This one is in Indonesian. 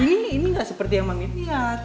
ini gak seperti yang mami lihat